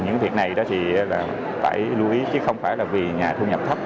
những việc này thì phải lưu ý chứ không phải là vì nhà thu nhập thấp